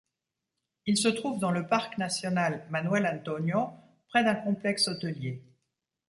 Il se trouve dans le parc national Manuel Antonio près d'un complexe hôtelier.